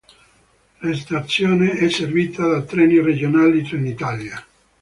La stazione è servita da treni regionali Trenitalia.